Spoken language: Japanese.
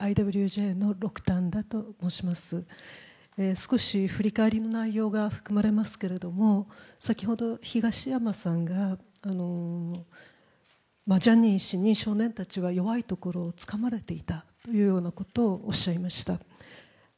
少し振り返りの内容が含まれますけれども、先ほど東山さんが、ジャニー氏に少年たちは弱いところをつかまれていたとおっしゃっていました。